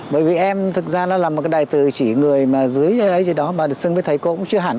bởi vì em thực ra nó là một cái đại từ chỉ người mà dưới ấy gì đó mà được xưng với thầy cô cũng chưa hẳn